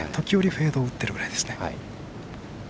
時折、フェードを打ってるぐらい。